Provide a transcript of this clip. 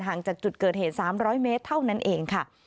จากจุดเกิดเหตุ๓๐๐เมตรเท่านั้นเองค่ะ